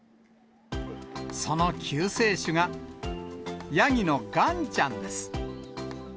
その救世主が、ヤギのがんちゃんです。